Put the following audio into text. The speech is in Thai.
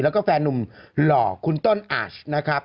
แล้วก็แฟนนุ่มหล่อคุณต้นอาชนะครับ